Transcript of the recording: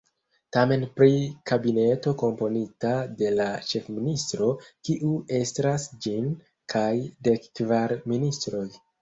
Temas pri kabineto komponita de la Ĉefministro, kiu estras ĝin, kaj dekkvar ministroj.